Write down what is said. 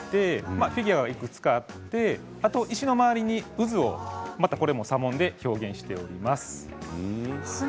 フィギュアがいくつかあって石の周りに砂紋で渦を表現しています。